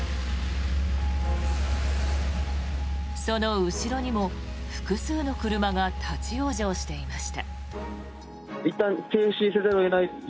その後ろにも複数の車が立ち往生していました。